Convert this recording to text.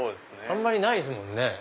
あんまりないですもんね